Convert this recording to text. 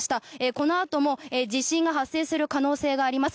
このあとも地震が発生する可能性があります。